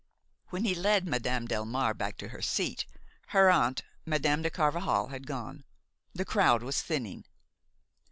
When he led Madame Delmare back to her seat, her aunt, Madame de Carvajal, had gone; the crowd was thinning.